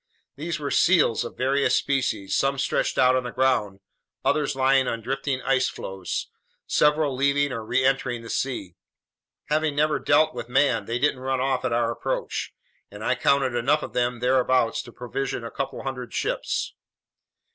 These were seals of various species, some stretched out on the ground, others lying on drifting ice floes, several leaving or reentering the sea. Having never dealt with man, they didn't run off at our approach, and I counted enough of them thereabouts to provision a couple hundred ships.